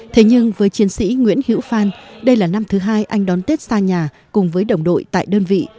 thế nhưng với chiến sĩ nguyễn hữu phan đây là năm thứ hai anh đón tết xa nhà cùng với đồng đội tại đơn vị